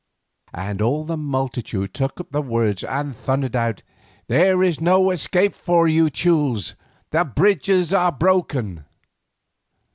And all the multitude took up the words and thundered out, "There is no escape for you Teules; the bridges are broken!"